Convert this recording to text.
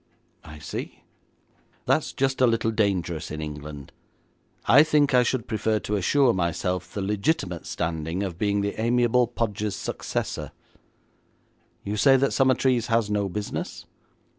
'I see. That's just a little dangerous in England. I think I should prefer to assure myself the legitimate standing of being the amiable Podgers' successor. You say that Summertrees has no business?'